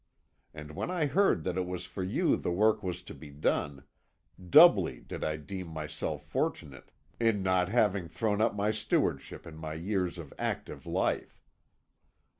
And when I heard that it was for you the work was to be done, doubly did I deem myself fortunate in not having thrown up the stewardship in my years of active life.